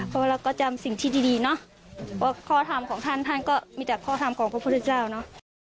เพราะว่าเราก็จำสิ่งที่ดีเนาะเพราะข้อทำของท่านท่านก็มีแต่ข้อทำของพระพุทธเจ้าเนอะ